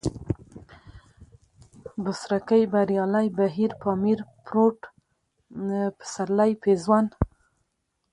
بڅرکى ، بريالی ، بهير ، پامير ، پروټ ، پسرلی ، پېزوان